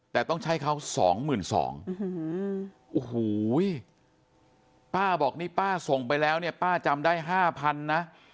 แต่ต้องใช้เขา๒๒๐๐โอ้โหป้าบอกนี่ป้าส่งไปแล้วเนี่ยป้าจำได้๕๐๐๐นะ